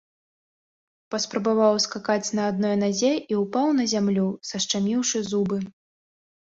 Паспрабаваў скакаць на адной назе і ўпаў на зямлю, сашчаміўшы зубы.